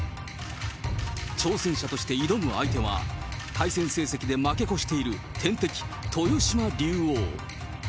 挑戦者として挑む相手は、対戦成績で負け越している天敵、豊島竜王。